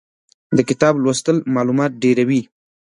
د کتاب لوستل مالومات ډېروي.